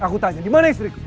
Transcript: aku tanya gimana istriku